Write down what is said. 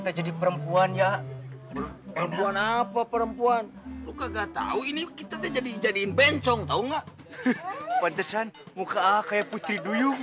tidak ada orang yang membunuh diri